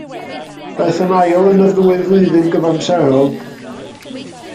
Daeth yn ail yn y ddwy flwyddyn gyfamserol.